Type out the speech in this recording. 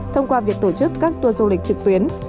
thông qua việc tổ chức các tour du lịch trực tuyến